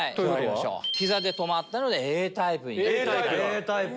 膝で止まったのでＡタイプになります。